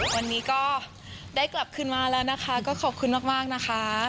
วันนี้ก็ได้กลับขึ้นมาแล้วนะคะก็ขอบคุณมากนะคะ